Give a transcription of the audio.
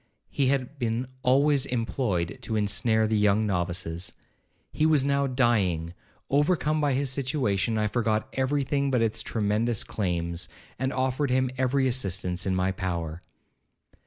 He had been always employed to ensnare the young novices. He was now dying—overcome by his situation, I forgot every thing but its tremendous claims, and offered him every assistance in my power.